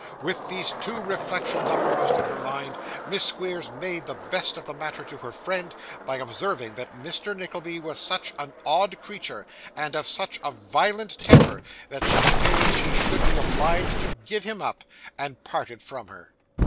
With these two reflections uppermost in her mind, Miss Squeers made the best of the matter to her friend, by observing that Mr. Nickleby was such an odd creature, and of such a violent temper, that she feared she should be obliged to give him up; and parted from her.